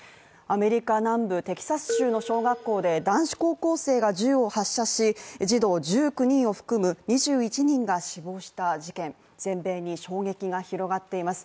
アメリカ南部テキサス州の小学校で男子高校生が銃を発射し児童１９人を含む２１人が死亡した事件で、全米に衝撃が広がっています。